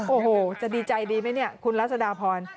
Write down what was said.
โอ้โหจะดีใจดีไหมเนี่ยคุณรัศดาพร